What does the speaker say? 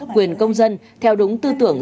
quyền công dân theo đúng tư tưởng